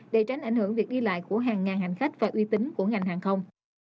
để tránh ảnh hưởng việc đi lại của hàng ngàn hành khách và uy tín của ngành hàng không